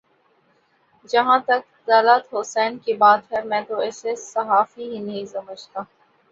جہاں تک طلعت حسین کی بات ہے میں تو اسے صحافی ہی نہیں سمجھتا